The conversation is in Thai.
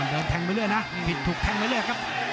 โดนแทงไปเรื่อยนะผิดถูกแทงไปเรื่อยครับ